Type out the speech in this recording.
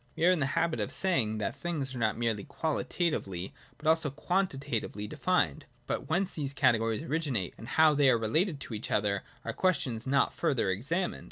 We are in the habit of say ing that things are not merely qualitatively, but also quanti tatively defined ; but whence these categories originate, and how they are related to each other, are questions not further examined.